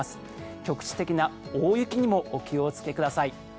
局地的な大雪にもお気をつけください。